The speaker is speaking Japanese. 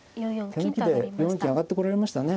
手抜きで４四金上がってこられましたね。